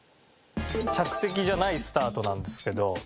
着席じゃないスタートなんですけど。